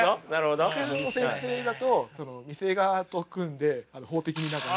九条先生だと店側と組んで法的に何か。